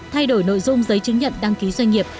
thay đổi nội dung giấy chứng nhận đăng ký doanh nghiệp